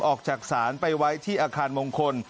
ออกจากศาลไปไว้ที่อาคารมงคล